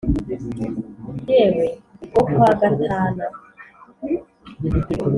yewe wo kwa gatana